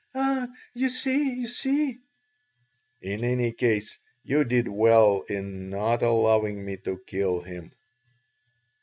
"Ah, you see! You see!" "In any case you did well in not allowing me to kill him."